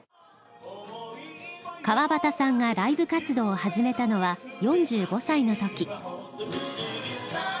川端さんがライブ活動を始めたのは４５歳の時。